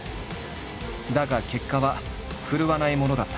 だが結果は振るわないものだった。